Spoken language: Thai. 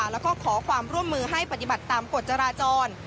แล้วก็ขอความร่วมมือให้ปฏิบัติตามกฎจราจร